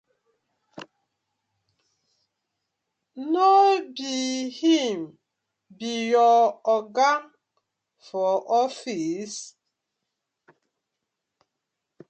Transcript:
No bi him bi yu oga for office?